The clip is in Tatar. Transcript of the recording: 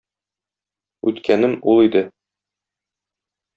Үткәнем - ул иде!!!